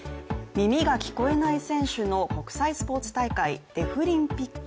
耳が聞こえない選手の国際スポーツ大会デフリンピック。